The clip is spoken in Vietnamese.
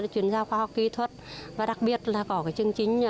chuyển giao khoa học kỹ thuật và đặc biệt là có chương trình